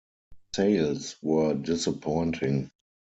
Sales were disappointing.